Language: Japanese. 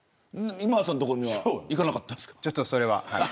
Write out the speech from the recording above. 今田さんの所には行かなかったんですか。